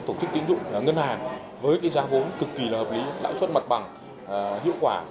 tổ chức kiếm dụng và ngân hàng với cái giá vốn cực kỳ là hợp lý lãi suất mặt bằng hiệu quả